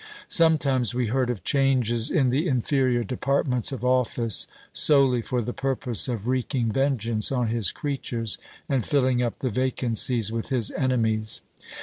Sometimes we heard of changes in the inferior depart ments of office, solely for the purpose of wreaking vengeance on his creatures, and filling up the vacancies with his enemies.